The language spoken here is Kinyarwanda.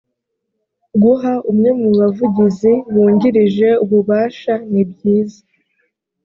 guha umwe mu bavugizi bungirije ububasha nibyiza